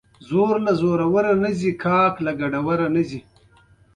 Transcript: ژوندی دې وي افغان ملت؟